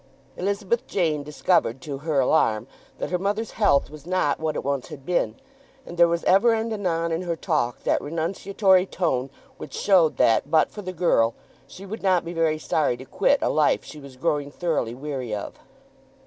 Elizabeth Jane discovered to her alarm that her mother's health was not what it once had been, and there was ever and anon in her talk that renunciatory tone which showed that, but for the girl, she would not be very sorry to quit a life she was growing thoroughly weary of.